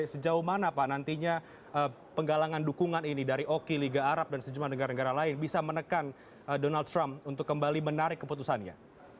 sejauh mana pak nantinya penggalangan dukungan ini dari oki liga arab dan sejumlah negara negara lain bisa menekan donald trump untuk kembali menarik keputusannya